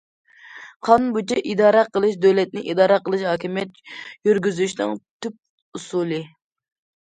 قانۇن بويىچە ئىدارە قىلىش دۆلەتنى ئىدارە قىلىش، ھاكىمىيەت يۈرگۈزۈشنىڭ تۈپ ئۇسۇلى.